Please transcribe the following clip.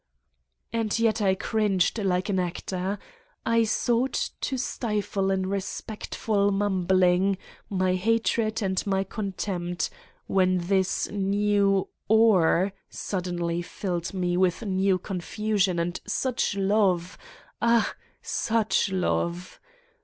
... And yet I cringed like an actor. I sought to stifle in respectful mumbling my hatred and my contempt when this new "or" suddenly filled me with new confusion and such love ... ah, such love!